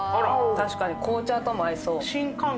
確かに紅茶とも合いそう。